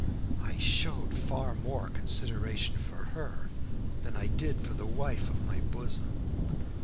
I showed far more consideration for her than I did for the wife of my bosom.